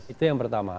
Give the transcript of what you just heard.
itu yang pertama